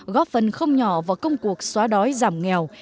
góp phần không nhỏ vào công cuộc xóa đói giảm nghèo